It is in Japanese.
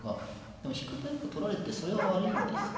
でも引くとやっぱ取られてそれは悪いんですかね。